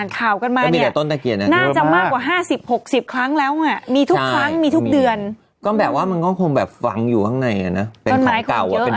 กลัวมันสะบัดแล้วมันล้วน